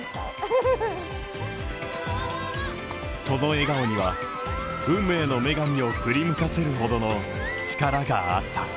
その笑顔には、運命の女神を振り向かせるほどの力があった。